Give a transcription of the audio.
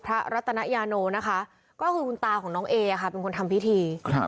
พอสำหรับบ้านเรียบร้อยแล้วทุกคนก็ทำพิธีอัญชนดวงวิญญาณนะคะแม่ของน้องเนี้ยจุดทูปเก้าดอกขอเจ้าที่เจ้าทาง